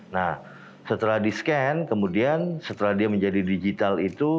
nah setelah di scan kemudian setelah dia menjadi digital itu